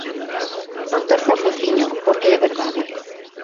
Non torza o fociño porque é verdade.